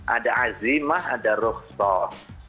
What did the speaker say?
ada azimah ada ruksah